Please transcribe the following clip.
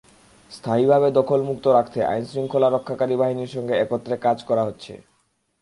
স্থায়ীভাবে দখলমুক্ত রাখতে আইনশৃঙ্খলা রক্ষাকারী বাহিনীর সঙ্গে একত্রে কাজ করা হচ্ছে।